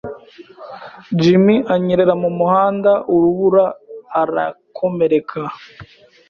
Jim anyerera mumuhanda urubura arakomereka.